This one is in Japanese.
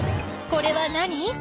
これは何？